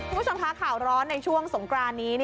คุณผู้ชมคะข่าวร้อนในช่วงสงกรานนี้